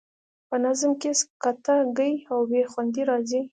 په نظم کې سکته ګي او بې خوندي راځي.